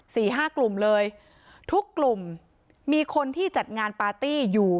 สี่ห้ากลุ่มเลยทุกกลุ่มมีคนที่จัดงานปาร์ตี้อยู่